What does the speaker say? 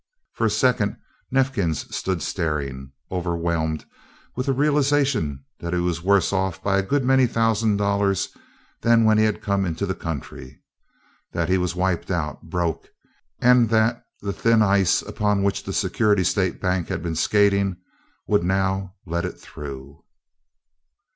For a second Neifkins stood staring, overwhelmed with the realization that he was worse off by a good many thousand dollars than when he had come into the country that he was wiped out broke and that the thin ice upon which the Security State Bank had been skating would now let it through.